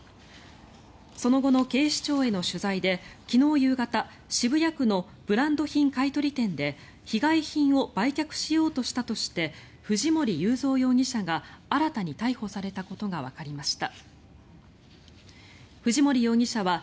その後の警視庁への取材で昨日夕方渋谷区のブランド品買い取り店で被害品を売却しようとしたとして藤森友三容疑者が新たに逮捕されたことがわかりました。